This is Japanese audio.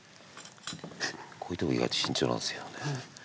こういうとこ意外と慎重なんですよね。